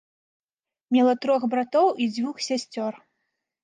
Мела трох братоў і дзвюх сясцёр.